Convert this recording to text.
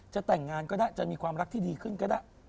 จะแต่งงานก็ได้จะมีความรักที่ดีขึ้นก็ได้